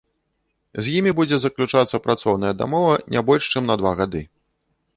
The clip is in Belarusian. З імі будзе заключацца працоўная дамова не больш, чым на два гады.